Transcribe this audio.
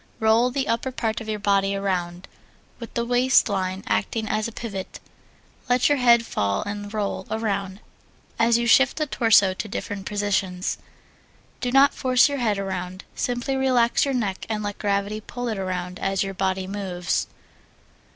Roll the upper part of your body around, with the waist line acting as a pivot. Let your head fall and roll around as you shift the torso to different positions. Do not force your head around simply relax your neck and let gravity pull it around as your body moves.